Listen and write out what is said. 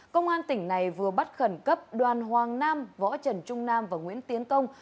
công an tỉnh này vừa bắt khẩn cấp đoàn hoàng nam võ trần trung nam và nguyễn tiến công